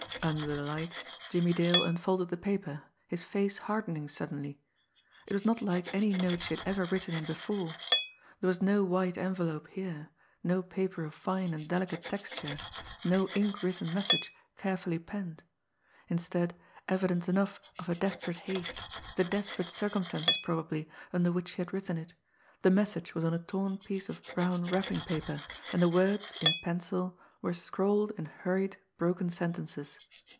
Under the light, Jimmie Dale unfolded the paper, his face hardening suddenly. It was not like any note she had ever written him before there was no white envelope here, no paper of fine and delicate texture, no ink written message carefully penned; instead, evidence enough of her desperate haste, the desperate circumstances probably under which she had written it, the message was on a torn piece of brown wrapping paper, and the words, in pencil, were scrawled in hurried, broken sentences.